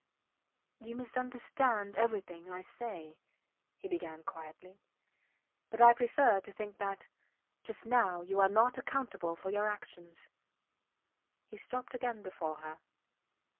You misunderstand everything I say, he began quietly, but I prefer to think that just now you are not accountable for your actions. He stopped again before her.